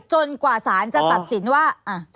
กว่าสารจะตัดสินว่า